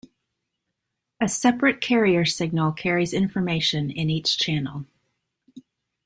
A separate carrier signal carries information in each channel.